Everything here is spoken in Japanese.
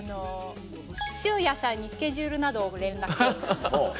「塩谷さんにスケジュールなどを連絡」。